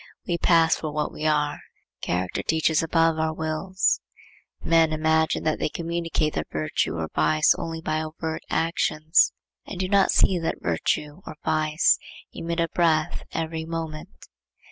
We pass for what we are. Character teaches above our wills. Men imagine that they communicate their virtue or vice only by overt actions, and do not see that virtue or vice emit a breath every moment.